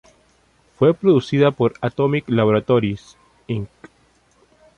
Fue producida por Atomic Laboratories, inc.